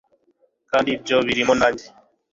kandi ibyo birimo nanjye